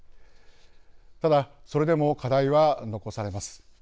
ただそれでも課題は残されます。